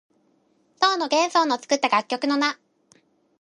唐の玄宗の作った楽曲の名。